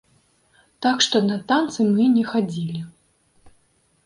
Так што на танцы мы не хадзілі.